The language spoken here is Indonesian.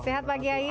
sehat pak kiai